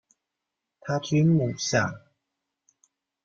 他居墓下。